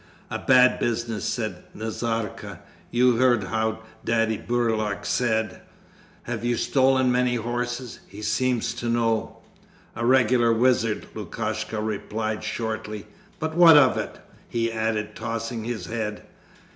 'A bad business!' said Nazarka. 'You heard how Daddy Burlak said, "Have you stolen many horses?" He seems to know!' 'A regular wizard!' Lukashka replied shortly. 'But what of it!' he added, tossing his head.